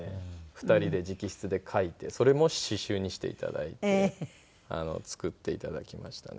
２人で直筆で書いてそれも刺繍にして頂いて作って頂きましたね。